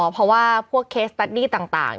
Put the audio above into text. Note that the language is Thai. เพราะว่าพวกเคสแปดดี้ต่าง